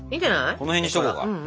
この辺にしとこうか。